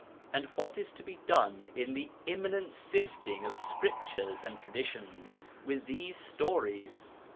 And what is to be done, in the imminent sifting of Scriptures and Traditions, with these stories?